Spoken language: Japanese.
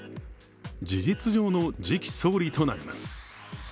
事実上の次期総理となります。